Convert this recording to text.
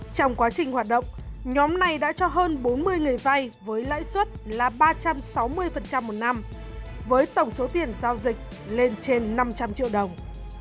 trong quá trình hoạt động nhóm này đã cho hơn bốn mươi người vay với lãi suất là ba trăm sáu mươi một năm với tổng số tiền giao dịch lên trên năm trăm linh triệu đồng